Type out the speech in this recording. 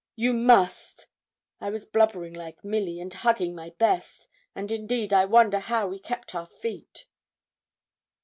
You must.' I was blubbering like Milly, and hugging my best; and, indeed, I wonder how we kept our feet.